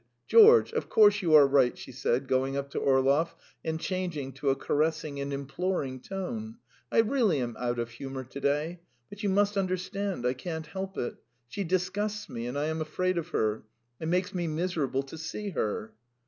. .George, of course you are right," she said, going up to Orlov and changing to a caressing and imploring tone. "I really am out of humour to day. But, you must understand, I can't help it. She disgusts me and I am afraid of her. It makes me miserable to see her."